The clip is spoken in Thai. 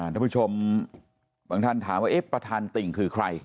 ท่านผู้ชมบางท่านถามว่าประธานติ่งคือใคร